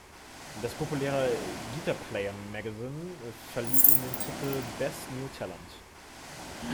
Das populäre Guitar Player Magazin verlieh ihm den Titel „Best New Talent“.